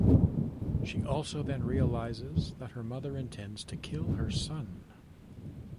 She also then realises that her mother intends to kill her son.